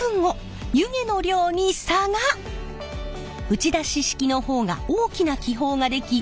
打ち出し式の方が大きな気泡が出来